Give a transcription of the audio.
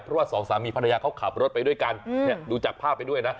เพราะว่าสองสามีภรรยาเขาขับรถไปด้วยกันดูจากภาพไปด้วยนะ